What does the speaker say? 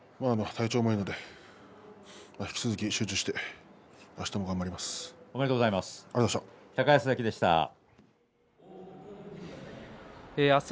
体調もいいので引き続き集中してあしたも頑張ります。